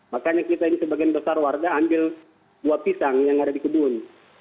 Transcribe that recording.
makanya kita ini sebagian besar warga ambil buah pisang yang ada di kebun